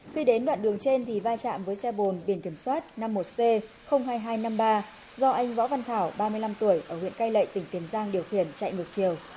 khi đến đoạn đường trên thì va chạm với xe bồn biển kiểm soát năm mươi một c hai nghìn hai trăm năm mươi ba do anh võ văn thảo ba mươi năm tuổi ở huyện cai lệ tỉnh tiền giang điều khiển chạy ngược chiều